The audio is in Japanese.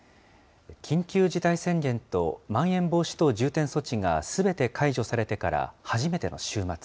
緊急事態宣言とまん延防止等重点措置がすべて解除されてから初めての週末。